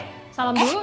eh salam dulu